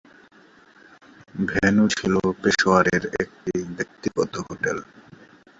Venue ছিল পেশোয়ারের একটি ব্যক্তিগত হোটেল।